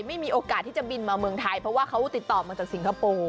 ไม่มีโอกาสที่จะบินมาเมืองไทยเพราะว่าเขาติดต่อมาจากสิงคโปร์